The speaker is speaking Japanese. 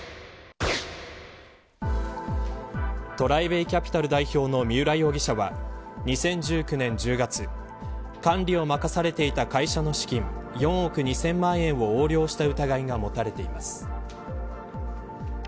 ＴＲＩＢＡＹＣＡＰＩＴＡＬ代表の三浦容疑者は２０１９年１０月管理を任されていた会社の資金４億２０００万円を横領した疑いが持たれています。